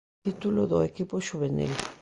Título do equipo xuvenil.